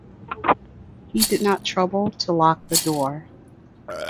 He did not trouble to lock the door.